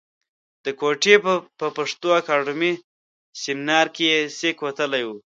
د کوټې د پښتو اکاډمۍ سیمنار کې یې سک وتلی و.